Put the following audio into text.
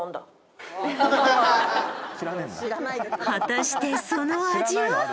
果たしてその味は？